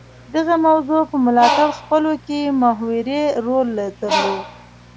دغې موضوع په ملاتړ خپلولو کې محوري رول درلود